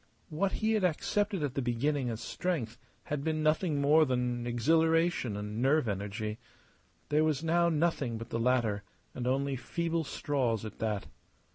What he had accepted at the beginning as strength had been nothing more than exhilaration and nerve energy. There was now nothing but the latter, and only feeble straws at that.